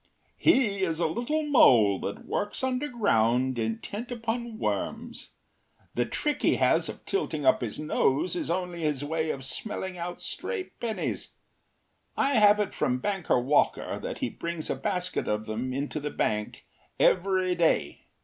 “He is a little mole that works underground intent upon worms. The trick he has of tilting up his nose is only his way of smelling out stray pennies. I have it from Banker Walker that he brings a basket of them into the bank every day.